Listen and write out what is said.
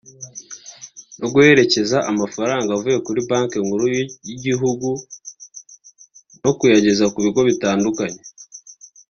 no guherekeza amafaranga avuye kuri Banki nkuru y’igihugu no kuyageza ku bigo bitandukanye